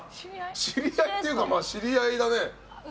知り合いっていうかまあ知り合いだね。